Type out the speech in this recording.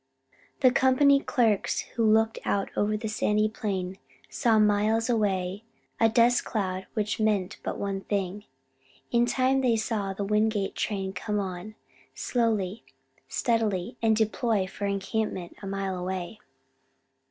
The company clerks who looked out over the sandy plain saw miles away a dust cloud which meant but one thing. In time they saw the Wingate train come on, slowly, steadily, and deploy for encampment a mile away.